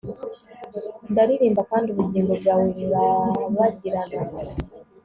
Ndaririmba kandi Ubugingo bwawe burabagirana